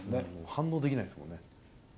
反応できないですもんね。